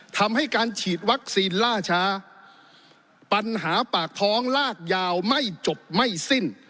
ทำให้การฉีดวัคซีนล่าช้าปัญหาปากท้องลากยาวไม่จบไม่สิ้น